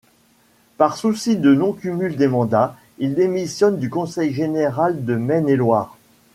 Par souci de non-cumul des mandats, il démissionne du conseil général de Maine-et-Loire.